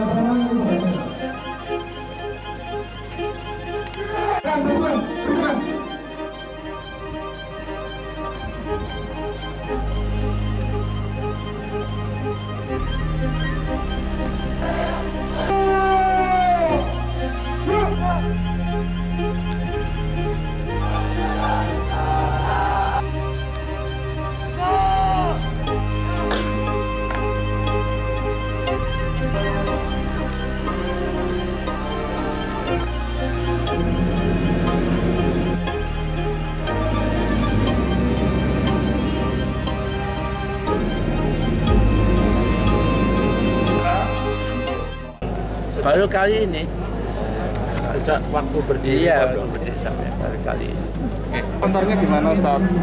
hai selalu kali ini sejak waktu berdiam kali ini